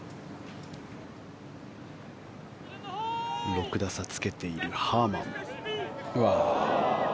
６打差つけているハーマン。